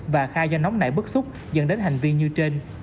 và khai do nóng nảy xúc dẫn đến hành vi như trên